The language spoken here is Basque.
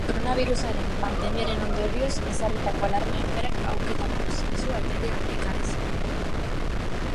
Koronabirusaren pandemiaren ondorioz ezarritako alarma-egoerak hautaketa prozesua etetea ekarri zuen.